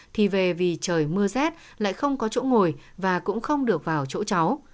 thì về vì trời mưa rét lại không có chỗ ngồi và cũng không được vào chỗ cháu